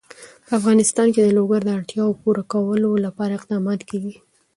په افغانستان کې د لوگر د اړتیاوو پوره کولو لپاره اقدامات کېږي.